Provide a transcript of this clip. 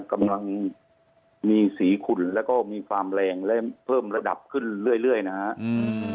กำลังมีสีขุ่นแล้วก็มีความแรงและเพิ่มระดับขึ้นเรื่อยเรื่อยนะฮะอืม